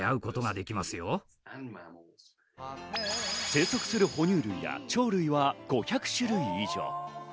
生息する哺乳類や鳥類は５００種類以上。